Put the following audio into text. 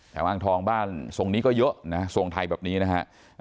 แต่อ้างทองบ้านทรงนี้ก็เยอะนะทรงไทยแบบนี้นะฮะ